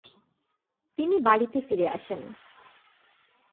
তিনি বাড়িতে ফিরে আসেন।